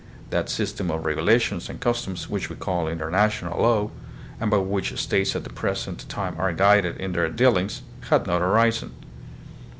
That system of regulations and customs which we call International Law, and by which states at the present time are guided in their dealings, had not arisen.